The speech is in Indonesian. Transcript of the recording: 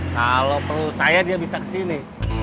kalau perlu saya dia bisa ke sini